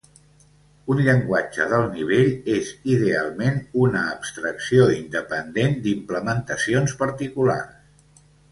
Un llenguatge d'alt nivell és idealment una abstracció independent d'implementacions particulars.